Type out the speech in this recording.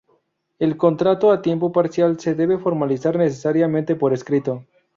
El contrato a tiempo parcial se debe formalizar necesariamente por escrito.